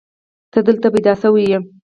ته دلته پيدا شوې يې.